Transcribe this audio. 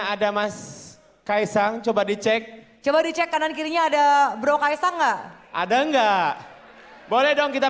ada mas kaisang coba dicek coba dicek kanan kirinya ada bro kaisang enggak ada enggak boleh dong kita